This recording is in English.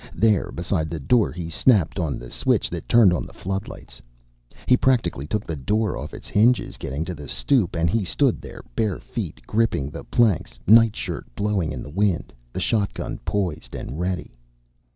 There, beside the door, he snapped on the switch that turned on the floodlights. He practically took the door off its hinges getting to the stoop and he stood there, bare feet gripping the planks, nightshirt billowing in the wind, the shotgun poised and ready.